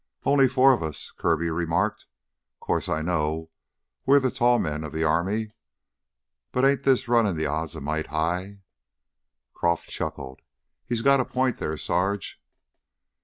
"Only four of us," Kirby remarked. "'Course I know we're the tall men of the army, but ain't this runnin' the odds a mite high?" Croff chuckled. "He's got a point there, Sarge."